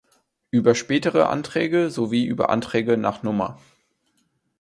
Über spätere Anträge sowie über Anträge nach Nr.